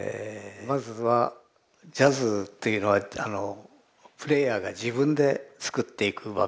まずはジャズっていうのはプレーヤーが自分で作っていく場面が多いんですね。